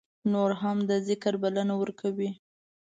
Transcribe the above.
نور هم د ذکر بلنه ورکوي.